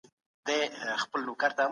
تاسو هم باید کلک هوډ ولرئ.